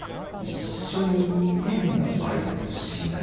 「一緒に変なバイトしない？」